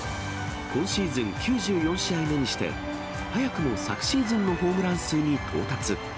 今シーズン９４試合目にして、早くも昨シーズンのホームラン数に到達。